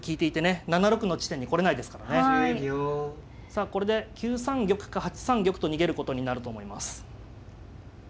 さあこれで９三玉か８三玉と逃げることになると思います。